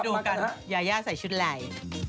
อ่ะเดี๋ยวมาดูกันยาใส่ชุดไหล่